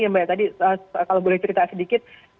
jadi mbak tadi kalau boleh cerita sedikit